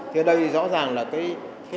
thì đây rõ ràng là cái